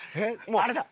あれだ。